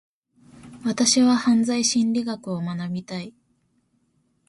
私は犯罪心理学を学びたい。